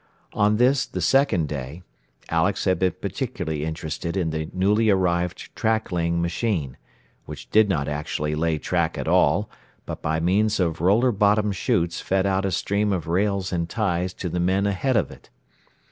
On this, the second day, Alex had been particularly interested in the newly arrived track laying machine which did not actually lay track at all, but by means of roller bottomed chutes fed out a stream of rails and ties to the men ahead of it.